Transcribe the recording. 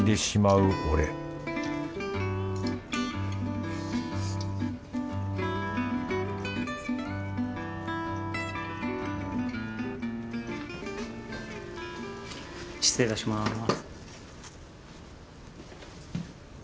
失礼いたします。